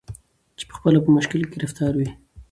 چي پخپله په مشکل کي ګرفتار وي